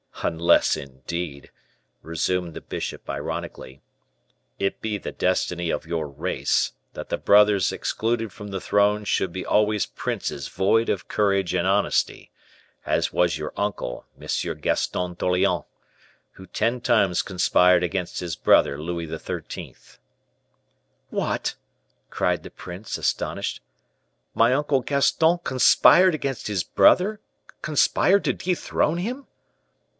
"Unless, indeed," resumed the bishop ironically, "it be the destiny of your race, that the brothers excluded from the throne should be always princes void of courage and honesty, as was your uncle, M. Gaston d'Orleans, who ten times conspired against his brother Louis XIII." "What!" cried the prince, astonished; "my uncle Gaston 'conspired against his brother'; conspired to dethrone him?"